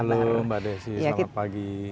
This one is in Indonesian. halo mbak desi selamat pagi